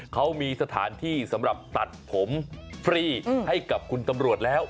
เขามีสถานที่สำหรับตัดผมฟรีให้กับคุณตำรวจแล้ว